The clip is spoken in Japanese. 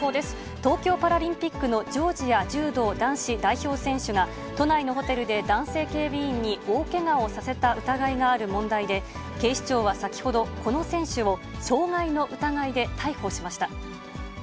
東京パラリンピックのジョージア柔道男子代表選手が、都内のホテルで男性警備員に大けがをさせた疑いがある問題で、警視庁は先ほど、この選手を傷害の疑いで逮捕しました。